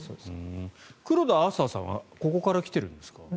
黒田アーサーさんはここから来てるんですか？